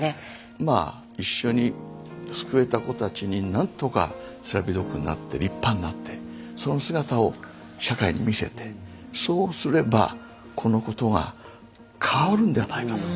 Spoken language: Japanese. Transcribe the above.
まあ一緒に救えた子たちに何とかセラピードッグになって立派になってその姿を社会に見せてそうすればこのことが変わるんじゃないかと。